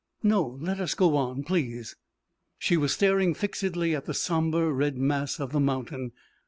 "No. Let us go on, please." She was staring fixedly at the sombre red mass of the mountain.